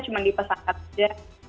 cuma di pesawat aja